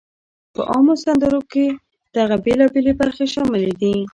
په عامو سندرو کې دغه بېلابېلی برخې شاملې دي: